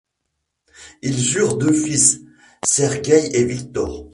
Ils eurent deux fils, Sergeï et Victor.